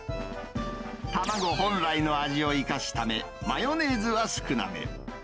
卵本来の味を生かすため、マヨネーズは少なめ。